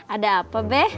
ada apa be